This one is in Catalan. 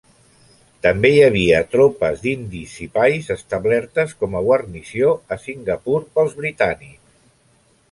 També hi havia tropes d'indis sipais establertes com a guarnició a Singapur pels britànics.